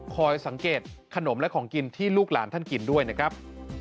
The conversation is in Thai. สังเกตขนมและของกินที่ลูกหลานท่านกินด้วยนะครับ